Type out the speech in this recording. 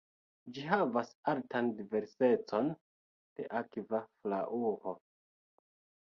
Ĝi havas altan diversecon de akva flaŭro.